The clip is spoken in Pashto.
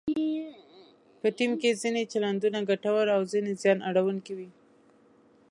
په ټیم کې ځینې چلندونه ګټور او ځینې زیان اړونکي وي.